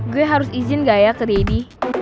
gue harus izin ga ya ke didi